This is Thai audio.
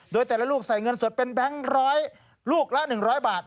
โดยแต่ละลูกใส่เงินสดเป็นแบงค์ร้อยลูกละ๑๐๐บาท